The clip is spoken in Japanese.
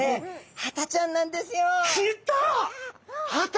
ハタちゃんなんですよ。来た！